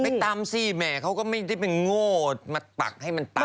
ตำสิแหมเขาก็ไม่ได้ไปโง่มาตักให้มันตำ